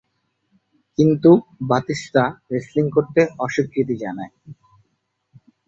কিন্তু Batista wrestling করতে অস্বীকৃতি জানায়।